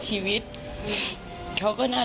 ดีกว่าจะได้ตัวคนร้าย